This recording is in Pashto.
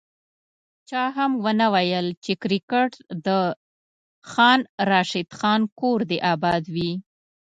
چا هم ونه ویل چي کرکیټ د خان راشد خان کور دي اباد وي